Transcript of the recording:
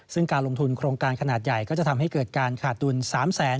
ซึ่งการลงทุนโครงการขนาดใหญ่ก็จะทำให้เกิดการขาดดุล๓แสน